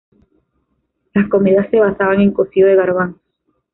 Las comidas se basaban en cocido de garbanzos.